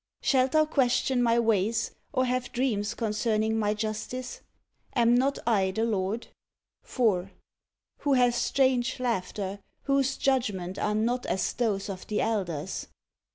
Shalt thou question My ways, or have dreams concerning My justice*? Am not I the Lord*? 4. Who hath strange laughter, Whose judgments are not as those of the elders; 5.